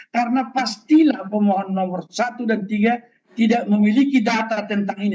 karena pastilah pemohon nomor satu dan tiga tidak memiliki data tentang ini